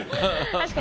確かに。